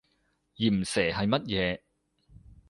鹽蛇係乜嘢？